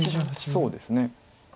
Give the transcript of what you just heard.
そうですね。